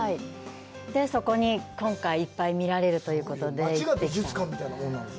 そこに今回いっぱい見られるということで、行ってきたんです。